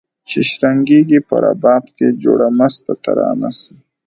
چي شرنګیږي په رباب کي جوړه مسته ترانه سي